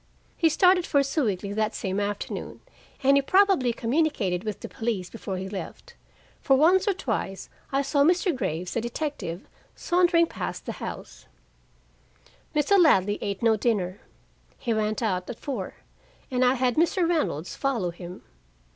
He started for Sewickley that same afternoon, and he probably communicated with the police before he left. For once or twice I saw Mr. Graves, the detective, sauntering past the house. Mr. Ladley ate no dinner. He went out at four, and I had Mr. Reynolds follow him.